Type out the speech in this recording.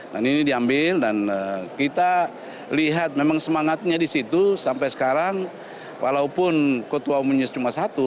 dan ini diambil dan kita lihat memang semangatnya disitu sampai sekarang walaupun ketua umumnya cuma satu